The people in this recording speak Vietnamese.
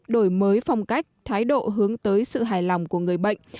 đổi mới phong cách thái độ hướng tới sự hài lòng của người bệnh